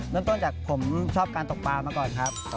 เริ่มต้นจากผมชอบการตกปลามาก่อนครับ